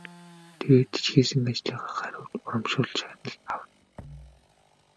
Тэгээд ч хийсэн ажлынхаа хариуд урамшуулал шагнал авна.